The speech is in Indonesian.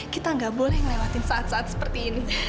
kita nggak boleh ngelewatin saat saat seperti ini